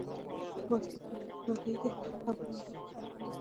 د احمد ښۍ خوټه علي دی، هره خبره او راز ورسره شریکوي.